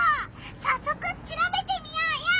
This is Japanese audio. さっそくしらべてみようよ！